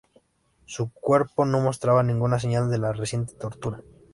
Su cuerpo no mostraba ninguna señal de la reciente tortura.